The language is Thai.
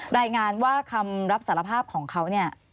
รายงานว่าคำรับสารภาพของเขาเนี่ย